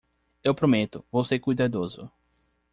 Eu prometo, vou ser cuidadoso!